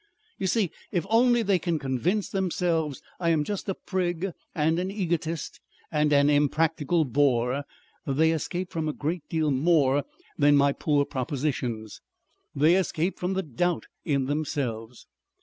You see if only they can convince themselves I am just a prig and an egotist and an impractical bore, they escape from a great deal more than my poor propositions. They escape from the doubt in themselves.